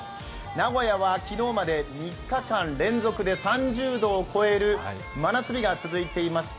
名古屋は昨日まで３日間連続で３０度を超える真夏日が続いていました。